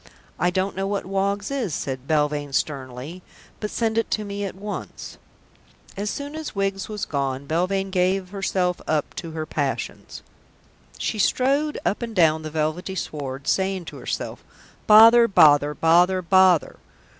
"I don't know what Woggs is," said Belvane sternly, "but send it to me at once." As soon as Wiggs was gone, Belvane gave herself up to her passions. She strode up and down the velvety sward, saying to herself, "Bother! Bother! Bother! Bother!"